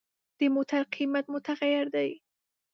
د موټر قیمت متغیر دی.